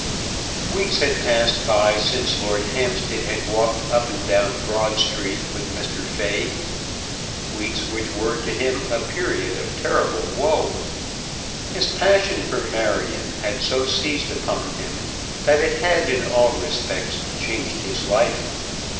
Weeks had passed by since Lord Hampstead had walked up and down Broad Street with Mr. Fay, weeks which were to him a period of terrible woe. His passion for Marion had so seized upon him, that it had in all respects changed his life.